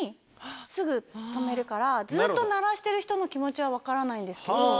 ずっと鳴らしてる人の気持ちは分からないんですけど。